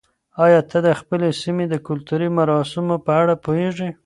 آیا ته د خپلې سیمې د کلتوري مراسمو په اړه پوهېږې؟